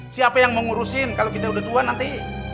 siapa yang mau ngurusin kalau kita udah tua nanti